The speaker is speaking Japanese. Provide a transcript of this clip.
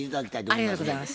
ありがとうございます。